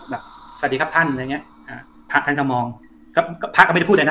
แบบสวัสดีครับท่านอะไรอย่างเงี้ยอ่าพระท่านก็มองก็พระก็ไม่ได้พูดอะไรนะ